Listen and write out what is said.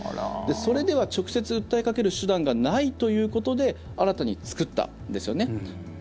それでは直接訴えかける手段がないということで新たに作ったんですよね。